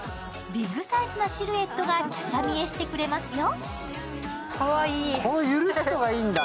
ビッグサイズなシルエットがきゃしゃ見えしてくれますよ。